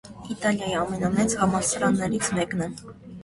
Իտալիայի ամենամեծ համալսարաններից մեկն է։